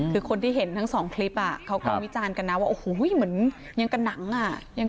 คือกินทั้งสองคลิปเขาการวิจารณ์กันว่าอันนี้เหมือนกับหนัง